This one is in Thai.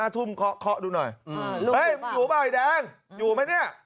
๔๕ทุ่มเคาะดูหน่อยเอ้ยอยู่บ้างไอ้แดงอยู่มั้ยเนี่ย